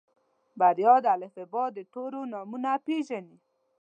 بريا د الفبا د تورو نومونه پېژني.